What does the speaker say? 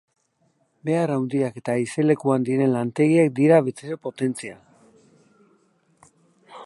Behar handiak eta haizelekuan diren lantegiak dira bezero potentzial.